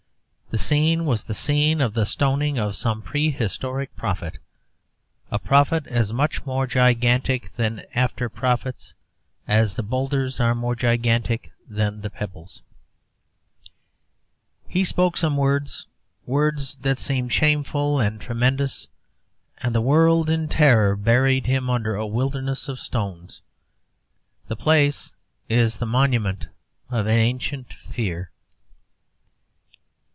The scene was the scene of the stoning of some prehistoric prophet, a prophet as much more gigantic than after prophets as the boulders are more gigantic than the pebbles. He spoke some words words that seemed shameful and tremendous and the world, in terror, buried him under a wilderness of stones. The place is the monument of an ancient fear.